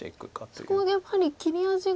そこはやはり切り味が。